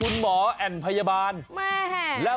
คุณหมอแอนด์พยาบาลแม่